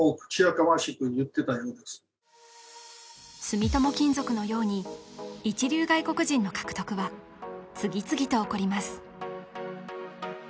住友金属のように一流外国人の獲得は次々と起こります